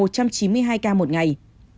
một mươi một một trăm chín mươi hai ca một ngày